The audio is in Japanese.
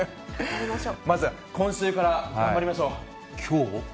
まずは今週から頑張りましょきょう？